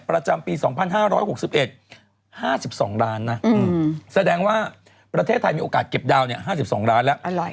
ประจำปี๒๕๖๑๕๒ล้านนะแสดงว่าประเทศไทยมีโอกาสเก็บดาว๕๒ล้านแล้ว